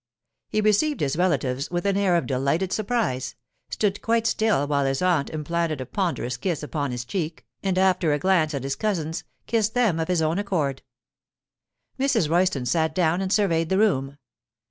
He received his relatives with an air of delighted surprise, stood quite still while his aunt implanted a ponderous kiss upon his cheek, and after a glance at his cousins, kissed them of his own accord. Mrs. Royston sat down and surveyed the room.